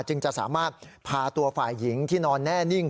จึงจะสามารถพาตัวฝ่ายหญิงที่นอนแน่นิ่ง